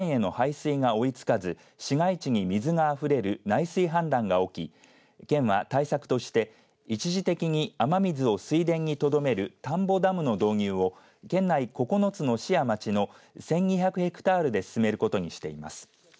佐賀県では、３年前と去年の記録的な大雨で河川への排水が追いつかず市街地に水があふれる内水氾濫が起き県は対策として一時的に雨水を水田にとどめる田んぼダムの導入を県内９つの市や町の１２００ヘクタールで進めることにしています。